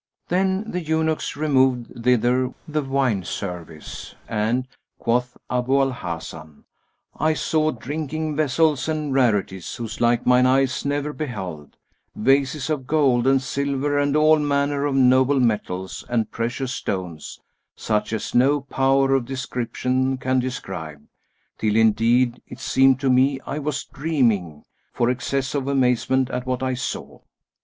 Then the eunuchs removed thither the wine service and (quoth Abu al Hasan) "I saw drinking vessels and rarities whose like mine eyes never beheld, vases of gold and silver and all manner of noble metals and precious stones, such as no power of description can describe, till indeed it seemed to me I was dreaming, for excess of amazement at what I saw!"